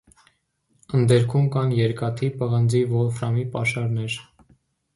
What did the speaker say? Ընդերքում կան երկաթի, պղնձի, վոլֆրամի պաշարներ։